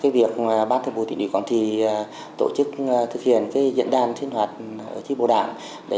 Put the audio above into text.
việc bác thượng bộ tỉnh địa quảng thị tổ chức thực hiện diễn đàn sinh hoạt tri bộ đảng